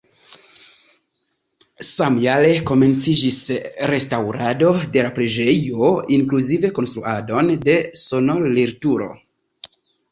Samjare komenciĝis restaŭrado de la preĝejo, inkluzive konstruadon de sonorilturo.